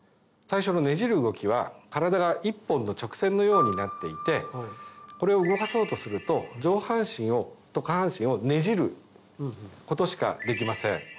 最初のねじる動きは体が１本の直線のようになっていてこれを動かそうとすると上半身と下半身をねじることしかできません。